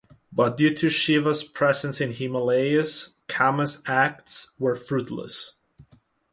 But due to Shiva's presence in himalayas, Kama's acts were fruitless.